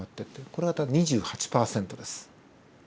これは２８％です。